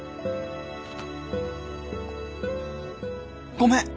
「ごめん！」